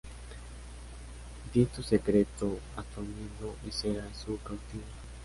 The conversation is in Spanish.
Di tu secreto a tu amigo y serás su cautivo